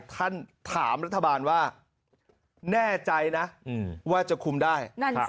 ท่านถามรัฐบาลว่าแน่ใจนะว่าจะคุมได้